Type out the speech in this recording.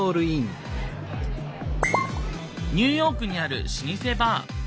ニューヨークにある老舗バー。